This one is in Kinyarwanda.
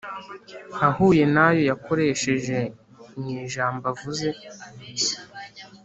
ahuye n’ ayo yakoresheje mw’ ijambo avuze.